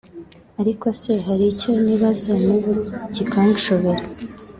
Ariko se hari icyo nibaza n’ubu kinshobera